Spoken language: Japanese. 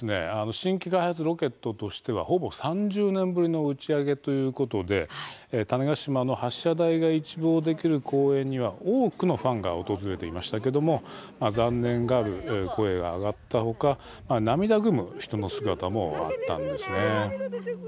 新規開発ロケットとしてはほぼ３０年ぶりの打ち上げということで種子島の発射台が一望できる公園には多くのファンが訪れていましたけども残念がる声が上がった他涙ぐむ人の姿もあったんですね。